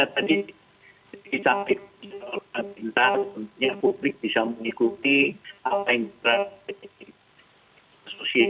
tadi di samping pemerintah tentunya publik bisa mengikuti apa yang berasal dari kasusnya